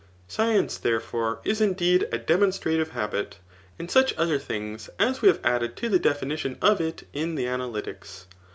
Science, therefore, is indeed a demonstrative habit, and such other things as we have added to the definition of it in the Analytics.